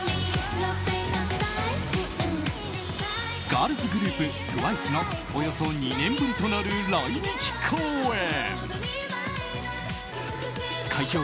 ガールズグループＴＷＩＣＥのおよそ２年ぶりとなる来日公演。